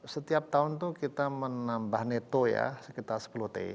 setiap tahun itu kita menambah neto ya sekitar sepuluh t